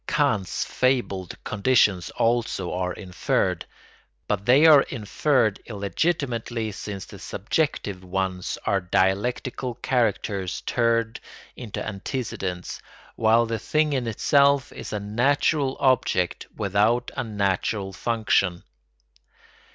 Kant's fabled conditions also are inferred; but they are inferred illegitimately since the "subjective" ones are dialectical characters turned into antecedents, while the thing in itself is a natural object without a natural function.